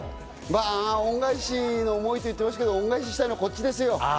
まあ、恩返しの思いと言ってましたけど、恩返ししたいのはこちですよ。